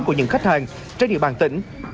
của những khách hàng trên địa bàn tỉnh